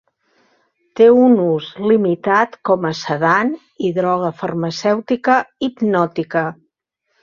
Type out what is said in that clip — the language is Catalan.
Té un ús limitat com a sedant i droga farmacèutica hipnòtica.